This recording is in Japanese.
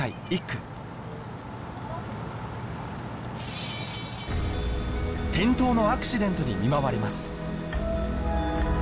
１区転倒のアクシデントに見舞われます